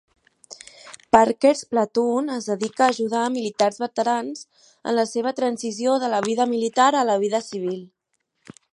Parker's Platoon es dedica a ajudar militars veterans en la seva transició de la vida militar a la vida civil.